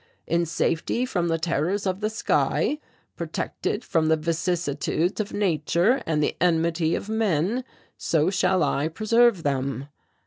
In safety from the terrors of the sky protected from the vicissitudes of nature and the enmity of men, so shall I preserve them.'